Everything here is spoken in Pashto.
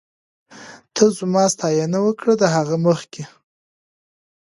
ته زما ستاينه وکړه ، د هغې مخکې